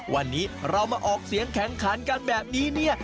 วันนี้เรามาออกเสียงแข่งขันกันแบบนี้เนี่ย